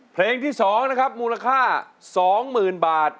เพลงที่สองนะครับมูลค่าสองหมื่นบาท